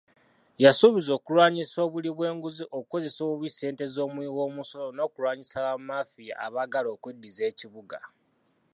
Yasuubizza okulwanyisa obuli bw'enguzi, okukozesa obubi ssente z'omuwi w'omusolo n'okulwanyisa bamaafiya abaagala okweddiza ekibuga.